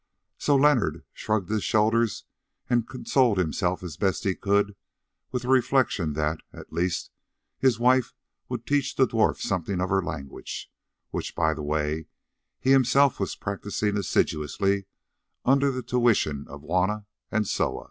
So Leonard shrugged his shoulders and consoled himself as best he could with the reflection that, at least, his wife would teach the dwarf something of her language, which, by the way, he himself was practising assiduously under the tuition of Juanna and Soa.